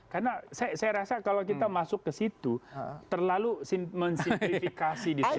karena saya rasa kalau kita masuk ke situ terlalu mensintrifikasi di sini